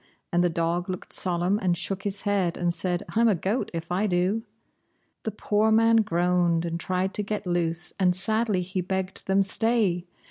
And the dog looked solemn and shook his head, and said: "I'm a goat if I do!" The poor man groaned and tried to get loose, and sadly he begged them, "Stay!